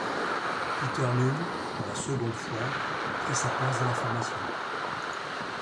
Peter Nunn, pour la seconde fois, prit sa place dans la formation.